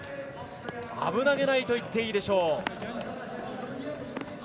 危なげないと言っていいでしょう。